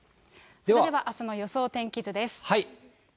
それではあすの予想天気図です。